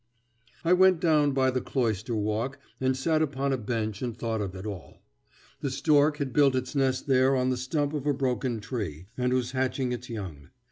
I went down by the cloister walk and sat upon a bench and thought of it all. The stork had built its nest there on the stump of a broken tree, and was hatching its young.